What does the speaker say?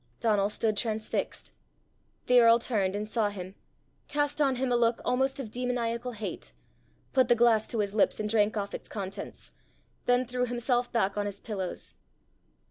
Donal stood transfixed. The earl turned and saw him, cast on him a look of almost demoniacal hate, put the glass to his lips and drank off its contents, then threw himself back on his pillows.